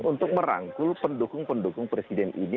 untuk merangkul pendukung pendukung presiden ini